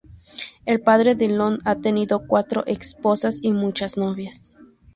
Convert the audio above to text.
El padre de London ha tenido cuatro ex-esposas y muchas novias.